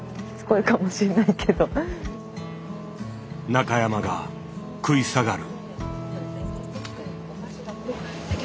中山が食い下がる。